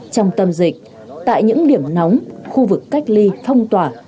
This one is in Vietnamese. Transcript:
trong tâm dịch tại những điểm nóng khu vực cách ly phong tỏa